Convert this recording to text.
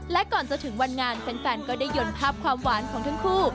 และก่อนจะถึงวันงานแฟนก็ได้ยนต์ภาพความหวานของทั้งคู่